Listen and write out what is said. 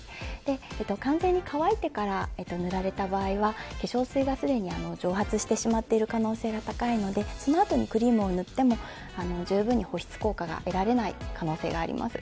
完全に乾いてから塗られた場合は化粧水がすでに蒸発してしまっている可能性が高いのでそのあとにクリームを塗っても十分な保湿効果が得られない可能性があります。